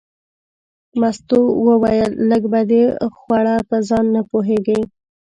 مستو وویل لږه به دې خوړه چې په ځان نه پوهېږې.